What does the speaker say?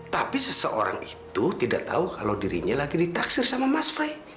tapi seseorang itu tidak tahu kalau dirinya lagi ditaksir sama mas frey